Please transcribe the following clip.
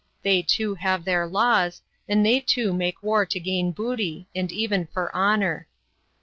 They too have their laws; and they too make war to gain booty, and even for honor.